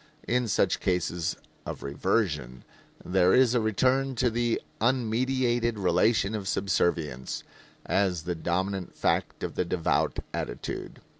In such cases of reversion there is a return to the unmediated relation of subservience, as the dominant fact of the devout attitude.